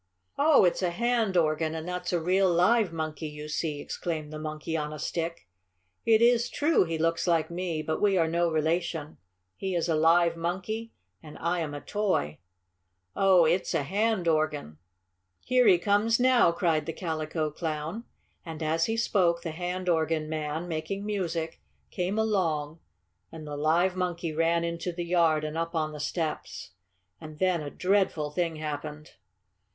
"Oh, it's a hand organ, and that's a real, live monkey you see!" exclaimed the Monkey on a Stick. "It is true he looks like me, but we are no relation. He is a live monkey and I am a toy." "Here he comes now!" cried the Calico Clown, and, as he spoke, the hand organ man, making music, came along, and the live monkey ran into the yard and up on the steps. And then a dreadful thing happened!